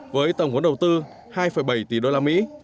với tổng quấn đầu tư hai bảy tỷ usd